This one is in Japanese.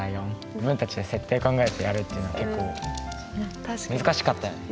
自分たちが設定考えてやるっていうの結構難しかったよね。